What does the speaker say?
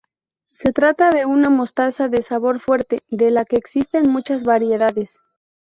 Se trata de una mostaza de sabor fuerte de la que existen muchas variedades.